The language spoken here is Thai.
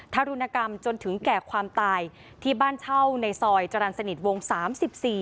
ทารุณกรรมจนถึงแก่ความตายที่บ้านเช่าในซอยจรรสนิทวงศ์๓๔